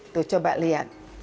tuh coba lihat